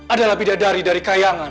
adalah bidadari dari kayangan